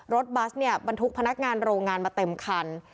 บัสเนี่ยบรรทุกพนักงานโรงงานมาเต็มคัน